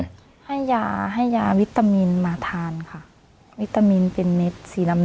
ก็ให้ยาให้ยาวิตามินมาทานค่ะวิตามินเป็นเม็ดสีดำ